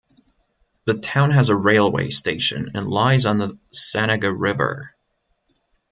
The town has a railway station, and lies on the Sanaga River.